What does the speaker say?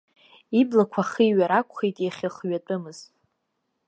Иблақәа хиҩар акәхеит иахьыхҩатәымыз.